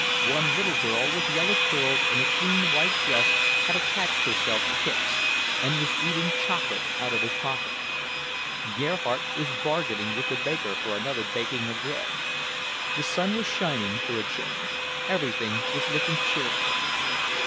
One little girl with yellow curls and a clean white dress had attached herself to Hicks, and was eating chocolate out of his pocket. Gerhardt was bargaining with the baker for another baking of bread. The sun was shining, for a change, everything was looking cheerful.